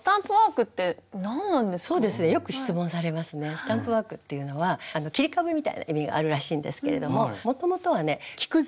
スタンプワークっていうのは切り株みたいな意味があるらしいんですけれどももともとはね木くず？